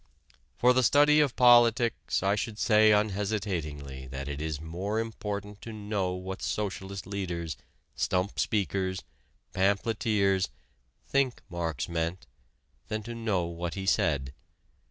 For the study of politics I should say unhesitatingly that it is more important to know what socialist leaders, stump speakers, pamphleteers, think Marx meant, than to know what he said.